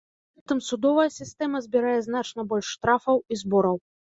Пры гэтым судовая сістэма збірае значна больш штрафаў і збораў.